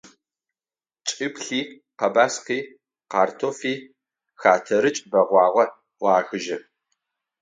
Чӏыплъи, къэбаскъи, картофи – хэтэрыкӏ бэгъуагъэ ӏуахыжьы.